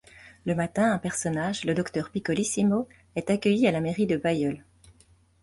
Le matin, un personnage, le docteur Picolissimo, est accueilli à la mairie de Bailleul.